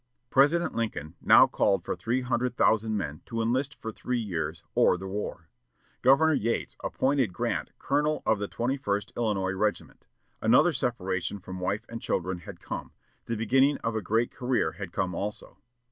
President Lincoln now called for three hundred thousand men to enlist for three years or the war. Governor Yates appointed Grant colonel of the Twenty First Illinois regiment. Another separation from wife and children had come; the beginning of a great career had come also.